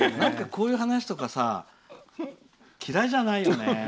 こういう話とかさ嫌いじゃないよね。